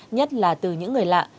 nhất là từ những người lạ